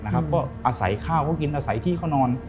ก็อาศัยข้าวเขากินอาศัยที่เขานอน